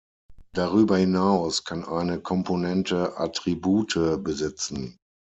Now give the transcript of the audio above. Darüber hinaus kann eine Komponente "Attribute" besitzen.